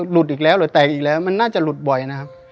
หลุดอีกแล้วหรือแตกอีกแล้วมันน่าจะหลุดบ่อยนะครับ